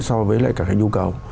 so với lại cả cái nhu cầu